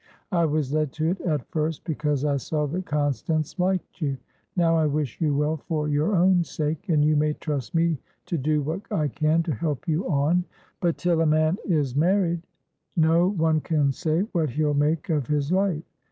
I was led to it at first because I saw that Constance liked you; now I wish you well for your own sake, and you may trust me to do what I can to help you on. But till a man a married, no one can say what he'll make of his life.